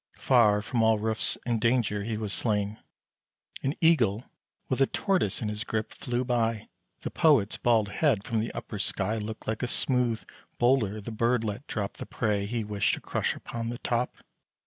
Far from all roofs and danger, he was slain: An eagle, with a tortoise in his grip, flew by; The poet's bald head, from the upper sky, Looked like a smooth boulder; the bird let drop The prey he wished to crush upon the top.